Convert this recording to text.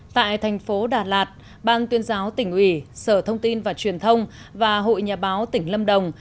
tại thành phố đà lạt ban tuyên giáo tỉnh ủy sở thông tin và truyền thông và hội nhà báo tỉnh lâm đồng